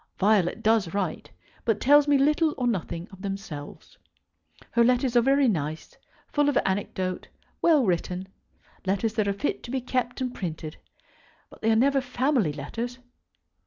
Violet does write, but tells me little or nothing of themselves. Her letters are very nice, full of anecdote, well written, letters that are fit to be kept and printed; but they are never family letters.